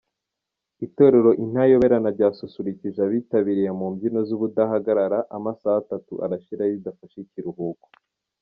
Itorero Intayoberana ryasusurukije abitabiriye mu mbyino z’ubudahagarara, amasaha atatu arashira ridafashe ikiruhuko.